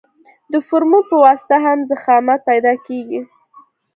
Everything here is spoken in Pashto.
د فورمول په واسطه هم ضخامت پیدا کیږي